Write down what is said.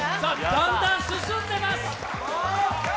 だんだん進んでます。